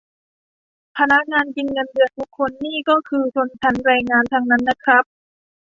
พนักงานกินเงินเดือนทุกคนนี่ก็คือชนชั้นแรงงานทั้งนั้นนะครับ